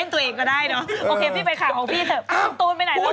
โอเคสิกิฟต์ของพี่เถอะคุณทูนไปไหนแล้ววันนี้